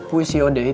puisi yang berupa